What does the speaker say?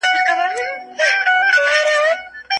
که علم په پښتو وي، نو د پوهې مینه به دوامداره وي.